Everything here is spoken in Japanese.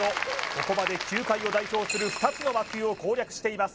ここまで球界を代表する２つの魔球を攻略しています